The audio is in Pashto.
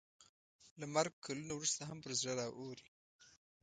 له مرګ کلونه وروسته هم په زړه راووري.